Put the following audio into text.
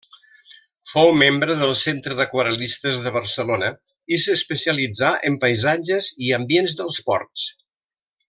Fou membre del Centre d'Aquarel·listes de Barcelona i s'especialitzà en paisatges i ambients dels ports.